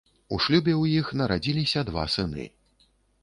У шлюбе ў іх нарадзіліся два сыны.